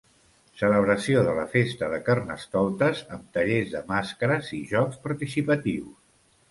Celebració de la festa de Carnestoltes amb tallers de màscares i jocs participatius.